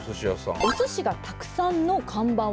「おすしがたくさんの看板を作りたい」。